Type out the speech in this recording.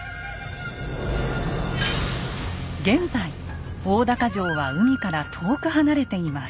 現在大高城は海から遠く離れています。